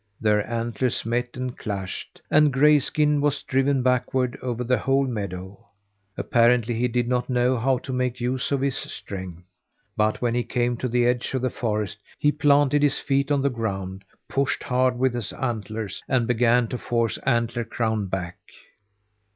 Their antlers met and clashed, and Grayskin was driven backward over the whole meadow. Apparently he did not know how to make use of his strength; but when he came to the edge of the forest, he planted his feet on the ground, pushed hard with his antlers, and began to force Antler Crown back.